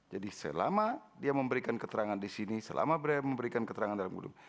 jadi selama dia memberikan keterangan di sini selama dia memberikan keterangan di dalam gundung